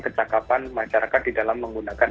kecakapan masyarakat di dalam menggunakan